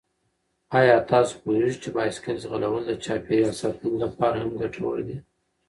آیا تاسو پوهېږئ چې بايسکل ځغلول د چاپېریال ساتنې لپاره هم ګټور دي؟